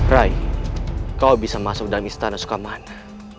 rai kau bisa masuk dalam istana sukamana